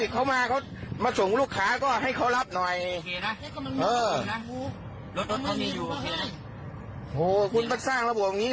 อย่ามาทำกวดกลัวอย่างนี้